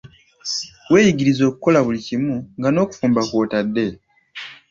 Weeyigirize okukola buli kimu nga n'okufumba kw'otadde.